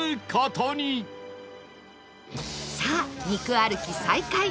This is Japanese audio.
さあ肉歩き再開